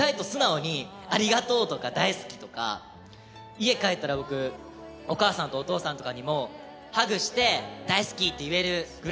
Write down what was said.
家帰ったら僕お母さんとお父さんとかにもハグして「大好き」って言えるぐらい。